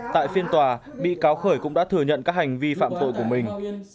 tại phiên tòa bị cáo khởi cũng đã thừa nhận các hành vi phạm tội của mình